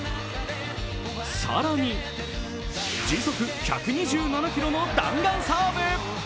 更に、時速１２７キロの弾丸サーブ。